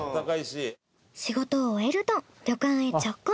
仕事を終えると旅館へ直行。